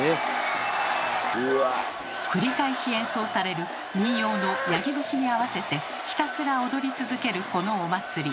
繰り返し演奏される民謡の「八木節」に合わせてひたすら踊り続けるこのお祭り。